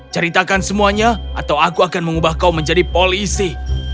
ceritakan semuanya atau aku akan mengubah kau menjadi polisi